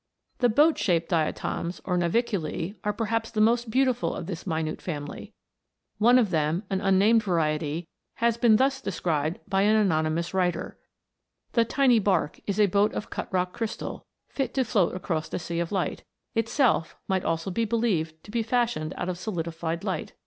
J The boat shaped diatoms, or Naviculce, are per haps the most beautiful of this minute family. One of them, an unnamed variety, has been thus de scribed by an anonymous writer : "The tiny bark is a boat of cut rock crystal, fit to float across a sea of light; itself might almost be believed to be fashioned out of solidified light.